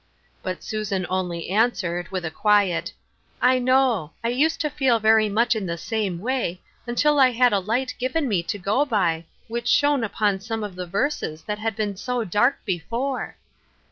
But Susan only answered, with a quiet —" I know ; I used to feel very much in the same wa}^ until I had a light given me to go by, which shone upon some of the verses that had been so dark before."